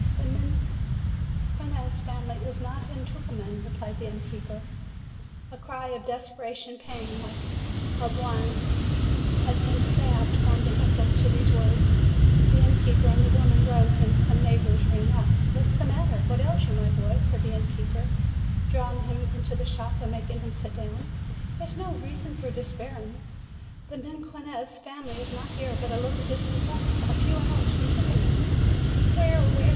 "The Mequinez family is not in Tucuman," replied the innkeeper. A cry of desperate pain, like that of one who FROM APENNINES TO THE ANDES 287 has been stabbed, formed an echo to those words. The innkeeper and the woman rose, and some neighbors ran up. ''What's the matter? what ails you, my boy?" said the innkeeper, drawing him into the shop and making him sit down. "There's no reason for despairing! The Mequinez family is not here, but at a little distance off, a few hours from Tucuman." "Where? where?"